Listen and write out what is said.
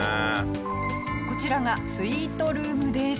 こちらがスイートルームです。